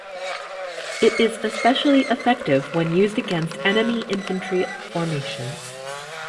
It is especially effective when used against enemy infantry formations.